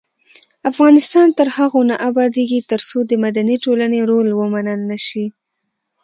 افغانستان تر هغو نه ابادیږي، ترڅو د مدني ټولنې رول ومنل نشي.